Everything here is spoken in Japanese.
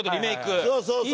そうそうそうそう。